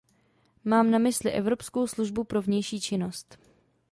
Mám na mysli Evropskou službu pro vnější činnost.